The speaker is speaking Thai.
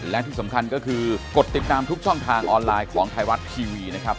และที่สำคัญก็คือกดติดตามทุกช่องทางออนไลน์ของไทยรัฐทีวีนะครับ